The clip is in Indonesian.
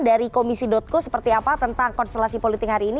dari komisi co seperti apa tentang konstelasi politik hari ini